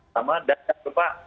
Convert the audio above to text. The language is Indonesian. dan jangan lupa